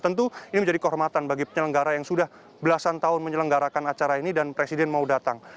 tentu ini menjadi kehormatan bagi penyelenggara yang sudah belasan tahun menyelenggarakan acara ini dan presiden mau datang